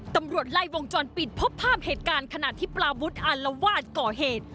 ตำรวจไล่วงจรปิดพบภาพเหตุการณ์ขณะที่ปลาวุฒิอารวาสก่อเหตุ